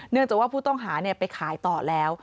จากว่าผู้ต้องหาไปขายต่อแล้ว